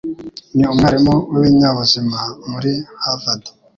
Ni umwarimu w’ibinyabuzima muri Harvard.